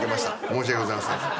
申し訳ございません。